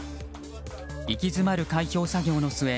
息詰まる開票作業の末